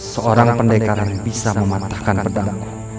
seorang pendekar bisa mematahkan pedang